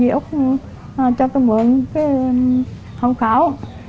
dì út cho tôi mượn hậu khẩu